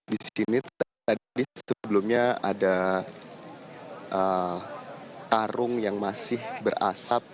di sini tadi sebelumnya ada karung yang masih berasap